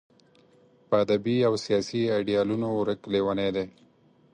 په ادبي او سیاسي ایډیالونو ورک لېونی دی.